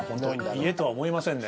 家とは思えませんね。